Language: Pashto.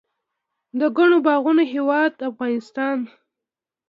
د ګڼو باغونو هیواد افغانستان.